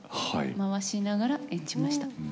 回しながら演じました。